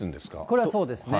これはそうですね。